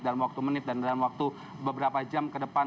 dalam waktu menit dan dalam waktu beberapa jam ke depan